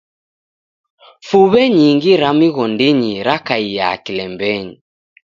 Fuw'e nyingi ra mighondinyi rakaia kilembenyi.